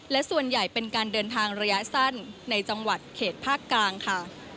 และส่วนใหญ่เป็นการเดินทางระยะสั้นในจังหวัดเขตภาคกลางค่ะ